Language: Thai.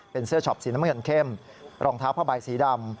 เป็นเสื้อช็อปสีน้ำเงินเข้มรองเท้าผ้าใบสีดำ